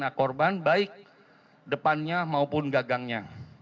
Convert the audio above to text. nah korban baik depannya maupun gagangnya